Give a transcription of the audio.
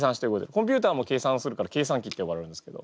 コンピューターも計算するから計算機ってよばれるんですけど。